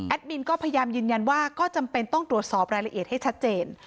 มินก็พยายามยืนยันว่าก็จำเป็นต้องตรวจสอบรายละเอียดให้ชัดเจน